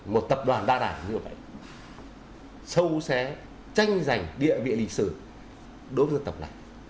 một tập đoàn đa đảng như vậy sâu xé tranh giành địa vị lịch sử đối với dân tộc này